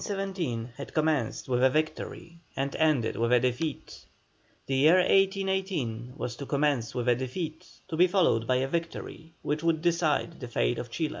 The year 1817 had commenced with a victory and ended with a defeat, the year 1818 was to commence with a defeat to be followed by a victory which would decide the fate of Chile.